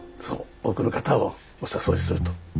多くの方をお誘いすると。